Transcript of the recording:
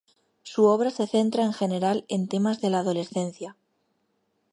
Su obra se centra en general en temas de la adolescencia.